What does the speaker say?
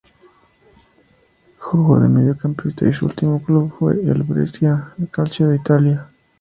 Jugó de mediocampista y su último club fue el Brescia Calcio de Italia.